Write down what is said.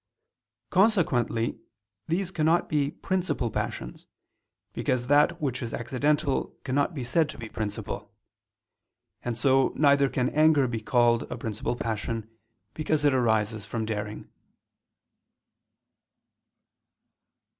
Consequently these cannot be principal passions; because that which is accidental cannot be said to be principal. And so neither can anger be called a principal passion, because it arises from daring.